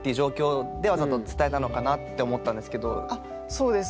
そうです。